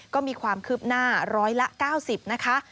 ก็มีความคืบหน้าร้อยละ๙๐นะคะ